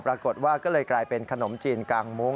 ปรากฏว่าก็เลยกลายเป็นขนมจีนกางมุ้ง